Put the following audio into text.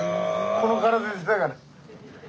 この体でしてたから。